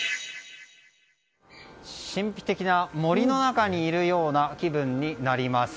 神秘的な森の中にいるような気分になります。